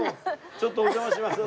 ちょっとお邪魔します。